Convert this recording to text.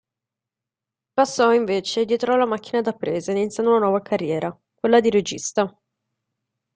Passò, invece dietro alla macchina da presa iniziando una nuova carriera, quella di regista.